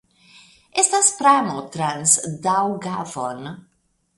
Estas pramo trans Daŭgavon.